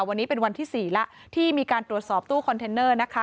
วันนี้เป็นวันที่๔แล้วที่มีการตรวจสอบตู้คอนเทนเนอร์นะคะ